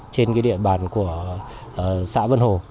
trên cái địa bàn của xã vân hồ